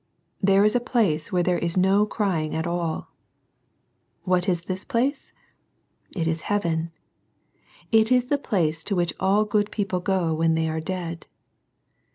There is a place where there is no crying AT ALL. What is this place ? It is heaven. It is the place to which all good people go when they are dead.